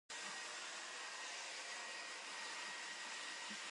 滇